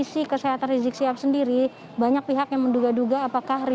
nah terkait dengan kondisi kesehatan rizik shihab sendiri banyak pihak yang menduga duga apa yang akan terjadi